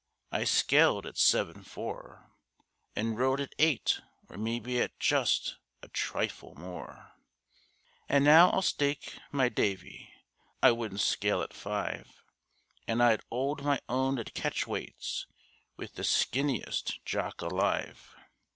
I scaled at seven four, An' rode at eight, or maybe at just a trifle more; And now I'll stake my davy I wouldn't scale at five, And I'd 'old my own at catch weights with the skinniest jock alive.